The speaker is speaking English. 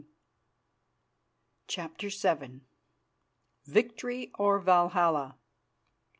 CHAPTER VII VICTORY OR VALHALLA!